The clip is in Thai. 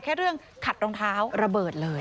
แค่เรื่องขัดรองเท้าระเบิดเลย